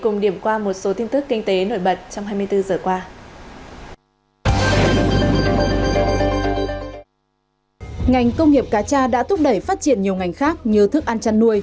ngành công nghiệp cà cha đã thúc đẩy phát triển nhiều ngành khác như thức ăn chăn nuôi